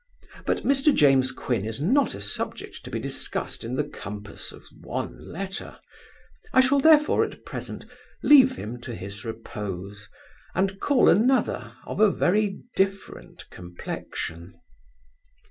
But Mr James Quin is not a subject to be discussed in the compass of one letter; I shall therefore, at present, leave him to his repose, and call another of a very different complexion.